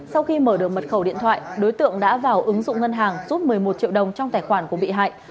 sau khi mở được mật khẩu điện thoại đối tượng đã vào ứng dụng ngân hàng rút một mươi một triệu đồng trong tài khoản của bị hại